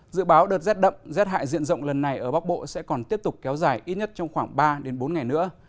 dự báo đợt rét đậm rét hại diện rộng lần này ở bắc bộ sẽ còn tiếp tục kéo dài ít nhất trong khoảng ba bốn ngày nữa